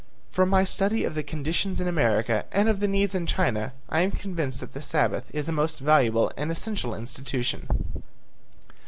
From my study of the conditions in America and of the needs in China I am convinced that the Sabbath is a most valuable and essential institution."